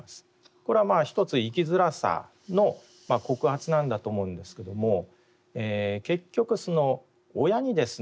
これはまあ一つ生きづらさの告発なんだと思うんですけども結局親にですね